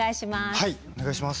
はいお願いします。